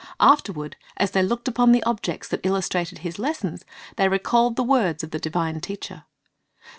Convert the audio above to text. Afterward, as they looked upon the objects that illustrated His lessons, they recalled the words of the divine Teacher.